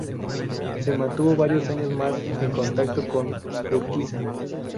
Se mantuvo varios años más en contacto con Urquiza.